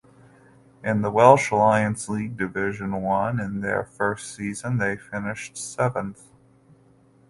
In the Welsh Alliance League Division One In their first season they finished seventh.